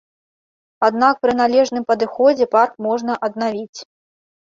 Аднак пры належным падыходзе парк можна аднавіць.